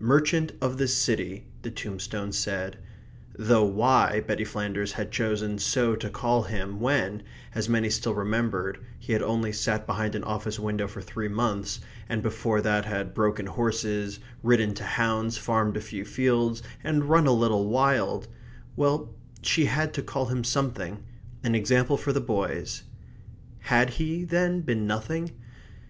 "Merchant of this city," the tombstone said; though why Betty Flanders had chosen so to call him when, as many still remembered, he had only sat behind an office window for three months, and before that had broken horses, ridden to hounds, farmed a few fields, and run a little wild well, she had to call him something. An example for the boys. Had he, then, been nothing?